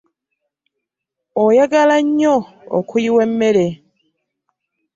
Oyagala nnyo okuyiwa emmere.